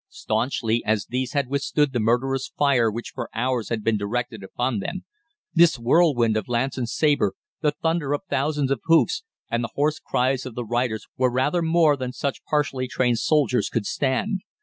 Staunchly as these had withstood the murderous fire which for hours had been directed upon them, this whirlwind of lance and sabre, the thunder of thousands of hoofs, and the hoarse cries of the riders, were rather more than such partially trained soldiers could stand.